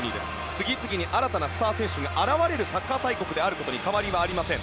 次々に新たなスター選手が現れるサッカー大国であることに変わりまりません。